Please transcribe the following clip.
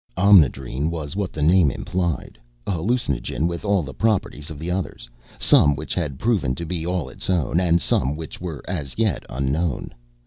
Omnidrene was what the name implied a hallucinogen with all the properties of the others, some which had proven to be all its own, and some which were as yet unknown.